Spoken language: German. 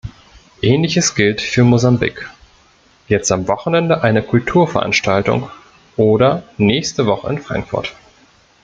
Ähnliches gilt für Mosambik, jetzt am Wochenende eine Kulturveranstaltung oder nächste Woche in Frankfurt.